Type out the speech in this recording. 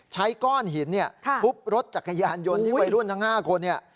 ใช้ก้อนหินเนี่ยทุบรถจักรยานยนต์ที่วัยรุ่นทั้ง๕คนเนี่ย